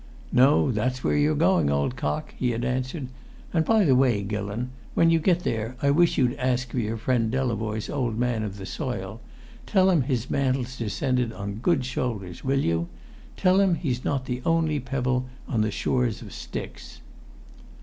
"No, that's where you're going, old cock!" he had answered. "And by the way, Gillon, when you get there I wish you'd ask for your friend Delavoye's old man of the soil; tell him his mantle's descended on good shoulders, will you? Tell him he's not the only pebble on the shores of Styx!"